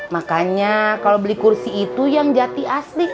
makanya kalau beli kursi itu yang jati asli